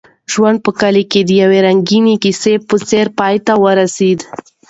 ژوند په کلي کې د یوې رنګینې کیسې په څېر پای ته ورسېد.